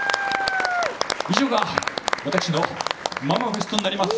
以上が私のママフェストになります。